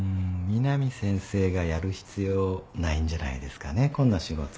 美南先生がやる必要ないんじゃないですかねこんな仕事。